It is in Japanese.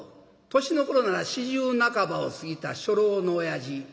年の頃なら４０半ばを過ぎた初老の親父。